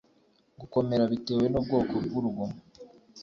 gukomera bitewe n ubwoko bw urugomo